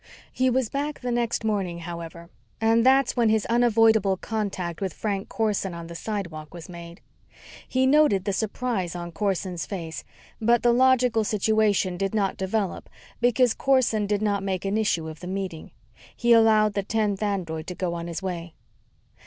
He was back the next morning, however, and that's when his unavoidable contact with Frank Corson on the sidewalk was made. He noted the surprise on Corson's face, but the logical situation did not develop because Corson did not make an issue of the meeting. He allowed the tenth android to go on his way.